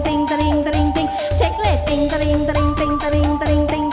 ส่องร้ายให้ร้าน